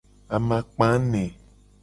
Amakpa ene.